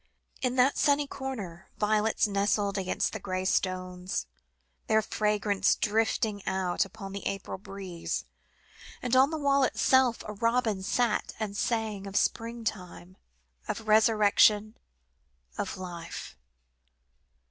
In that sunny corner, violets nestled against the grey stones, their fragrance drifting out upon the April breeze, and on the wall itself, a robin sat and sang, of spring time, of resurrection, of life.